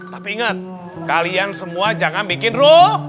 tapi inget kalian semua jangan bikin ruuh